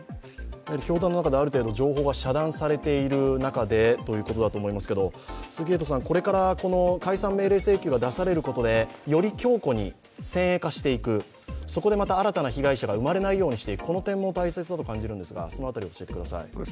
教団の中である程度、情報が遮断されている中でということだと思いますがこれから解散命令請求が出されることでより強固に先鋭化していく、そこで新たな被害者が生まれないようにする、この点も大切だと感じますが、その辺りを教えてください。